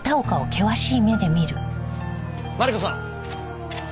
マリコさん。